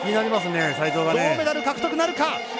銅メダル獲得なるか。